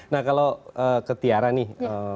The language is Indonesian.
nah kalau ke tiara nih